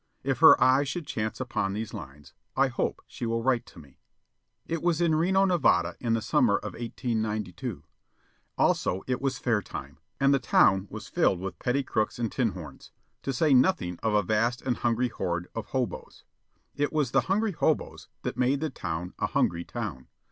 If her eyes should chance upon these lines, I hope she will write to me. It was in Reno, Nevada, in the summer of 1892. Also, it was fair time, and the town was filled with petty crooks and tin horns, to say nothing of a vast and hungry horde of hoboes. It was the hungry hoboes that made the town a "hungry" town.